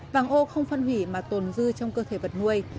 vàng ô không phân hủy mà tồn dư trong cơ thể vật nuôi